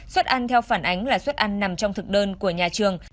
xuất ăn theo phản ánh là xuất ăn nằm trong thực đơn của nhà trường